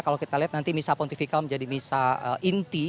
kalau kita lihat nanti misal pontifikal menjadi misal inti